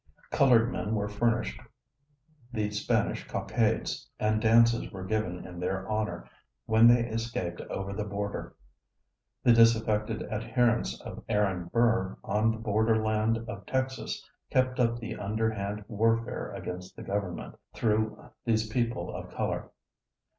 Colored men were furnished the Spanish cockades, and dances were given in their honor when they escaped over the border. The disaffected adherents of Aaron Burr on the border land of Texas kept up the underhand warfare against the government, through these people of color.